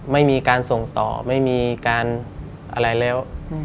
ไม่มีการส่งต่อไม่มีการอะไรแล้ว